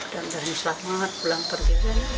dan selamat bulan perjalanan